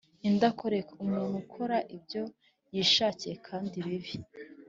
indakoreka: umuntu ukora ibyo yishakiye kandi bibi